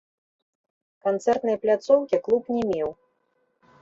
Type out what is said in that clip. Канцэртнай пляцоўкі клуб не меў.